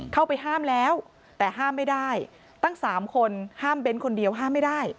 เข้าไปห้ามแล้วแต่ห้ามไม่ได้ตั้ง๓คนห้ามเบ้นคนเดียวห้ามไม่ได้